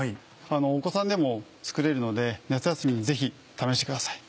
お子さんでも作れるので夏休みにぜひ試してください。